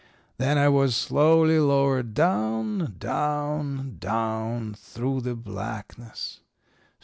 "Then I was slowly lowered down, down, down, through the blackness.